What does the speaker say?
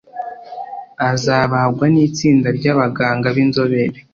azabagwa n’itsinda ry’abaganga b’inzobere